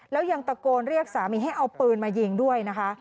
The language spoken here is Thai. แล้วยังตะโกนเรียกสามีให้เอาปืนมายิงด้วยนะคะ